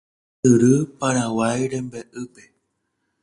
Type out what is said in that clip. ysyry Paraguay rembe'ýpe